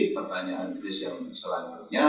pertanyaan chris yang selanjutnya